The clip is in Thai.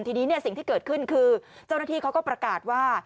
ทีนี้สิ่งที่เกิดขึ้นคือเจ้าหน้าที่เขาก็ประกาศว่า